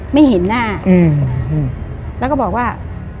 ไม่เห็นหน้าแล้วก็บอกว่า